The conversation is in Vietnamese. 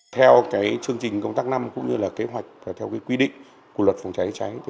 đây là khu vực có nhiều khu vực có nhiều kế hoạch để đảm bảo an toàn phòng cháy chữa cháy